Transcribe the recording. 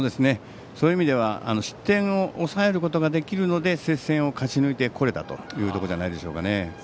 そういう意味では失点を抑えることができるので接戦を勝ち抜いてこれたというところじゃないでしょうかね。